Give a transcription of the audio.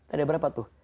ada berapa tuh